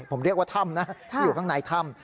ผมเรียกว่าถ้ำนะที่อยู่ข้างในถ้ำ